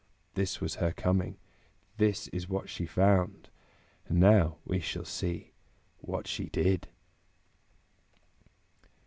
This was her coming; this is what she found; now we shall see what she did.